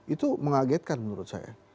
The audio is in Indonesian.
itu mengagetkan menurut saya